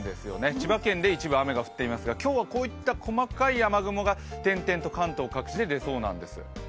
千葉県で一部雨が降っていますが今日はこういった細かい雨雲が点々と関東各地で出そうなんです。